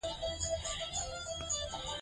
مور ماشومانو ته د مهربانۍ درس ورکوي.